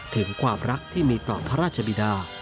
ถึงความรักที่มีต่อพระราชบิดา